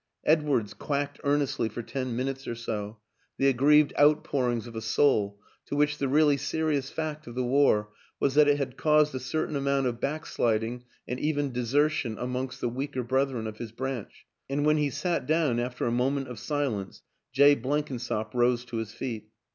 ... Edwardes quacked earnestly for ten minutes or so; the aggrieved outpourings of a soul to which the really serious fact of the war was that it had caused a certain amount of back sliding and even desertion amongst the weaker brethren of his branch; and when he sat down, after a moment of silence, Jay Blenkinsop rose to his feet.